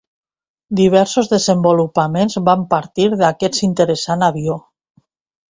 Diversos desenvolupaments van partir d'aquest interessant avió.